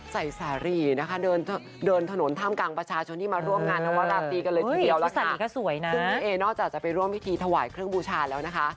ใส่สารี่นะคะเดินทุ่นถ้ำกลางประชาชนที่มาร่วมงาน